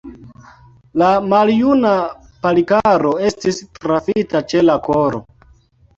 La maljuna Palikaro estis trafita ĉe la koro.